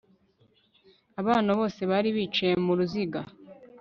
Abana bose bari bicaye muruziga